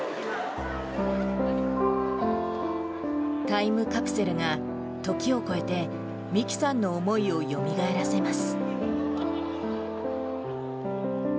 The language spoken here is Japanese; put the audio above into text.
タイムカプセルが時を超えて美貴さんの思いをよみがえらせます。